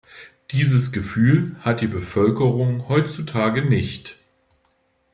Dieses Gefühl hat die Bevölkerung heutzutage nicht.